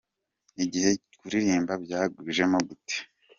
Igihe : Kuririmba byakujemo gute ?.